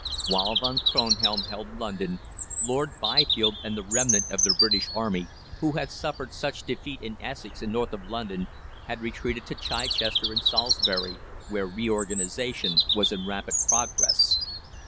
While Von Kronhelm held London, Lord Byfield and the remnant of the British Army, who had suffered such defeat in Essex and north of London, had, four days later, retreated to Chichester and Salisbury, where reorganisation was in rapid progress.